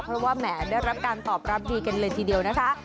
เพราะว่าแหมได้รับการตอบรับดีกันเลยทีเดียวนะคะ